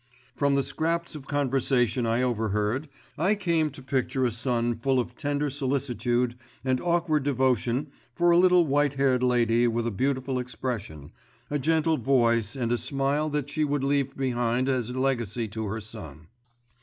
From the scraps of conversation I overheard, I came to picture a son full of tender solicitude and awkward devotion for a little white haired lady with a beautiful expression, a gentle voice and a smile that she would leave behind as a legacy to her son.